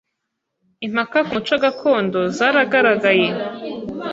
Impaka ku muco gakondo zaragaragaye